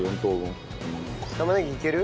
玉ねぎいける？